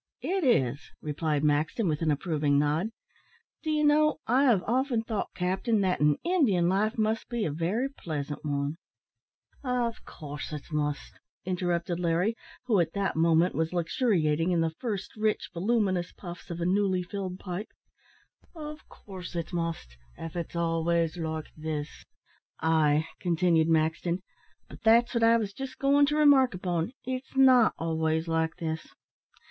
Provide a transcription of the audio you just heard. "It is," replied Maxton, with an approving nod. "Do you know, I have often thought, captain, that an Indian life must be a very pleasant one " "Av coorse it must," interrupted Larry, who at that moment was luxuriating in the first rich, voluminous puffs of a newly filled pipe "av coorse it must, if it's always like this." "Ay," continued Maxton, "but that's what I was just going to remark upon it's not always like this.